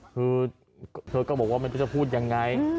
คือเธอก็บอกว่าไม่รู้จะพูดยังไง